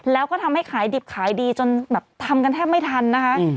แล้วก็ทำให้ขายดิบขายดีจนแบบทำกันแทบไม่ทันนะคะ